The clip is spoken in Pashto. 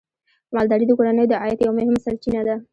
مالداري د کورنیو د عاید یوه مهمه سرچینه ده.